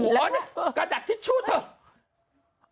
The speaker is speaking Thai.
หรออ๋อนี่กระดักทิชชูเถอะ